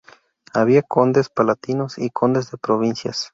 Había "condes palatinos" y "condes de provincias".